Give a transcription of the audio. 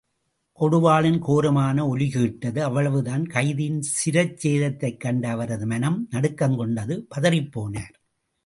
கொடுவாளின் கோரமான ஒலி கேட்டது அவ்வளவுதான் கைதியின் சிரச்சேதத்தைக் கண்ட அவரது மனம் நடுக்கம் கொண்டது பதறிப்போனார்!